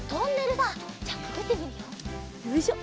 よいしょ。